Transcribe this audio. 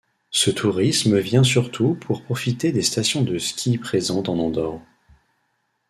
Ce tourisme vient surtout pour profiter des stations de ski présentes en Andorre.